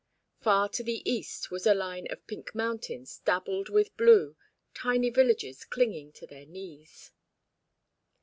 Far to the east was a line of pink mountains dabbled with blue, tiny villages clinging to their knees.